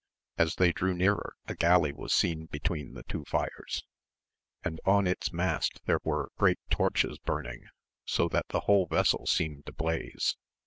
As they drew nearer a galley was seen between the two fires, and on its^mast there were great torches burning, so that the whole vessel seemed ablaze.